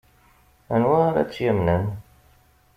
Anwa ara tt-yamnen?